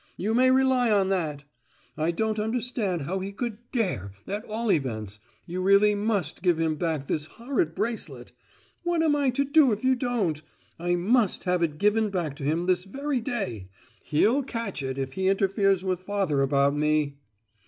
You may rely on that! I don't understand how he could dare—at all events, you really must give him back this horrid bracelet. What am I to do if you don't? I must have it given back to him this very day. He'll catch it if he interferes with father about me!"